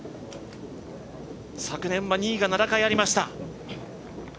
昨年は２位が７回ありました。